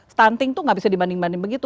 stunting tuh nggak bisa dibanding banding begitu